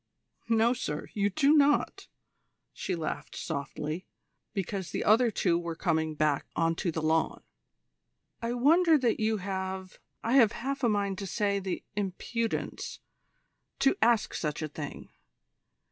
"No, sir, you do not," she laughed softly, because the other two were coming back on to the lawn. "I wonder that you have I have half a mind to say the impudence to ask such a thing.